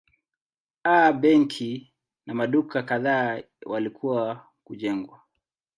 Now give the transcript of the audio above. A benki na maduka kadhaa walikuwa kujengwa.